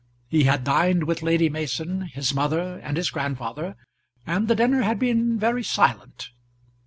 He had dined with Lady Mason, his mother, and his grandfather, and the dinner had been very silent.